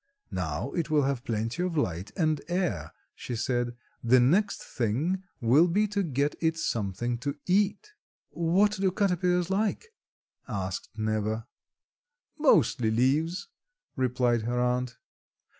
"Now it will have plenty of light and air," she said. "The next thing will be to get it something to eat." "What do caterpillars like?" asked Neva. "Mostly leaves," replied her aunt.